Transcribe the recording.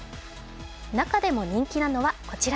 中でも人気なのは、こちら。